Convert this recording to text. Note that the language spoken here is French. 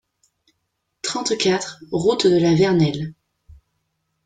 trente-quatre route de la Vernelle